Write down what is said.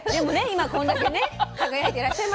今こんだけね輝いていらっしゃいますから。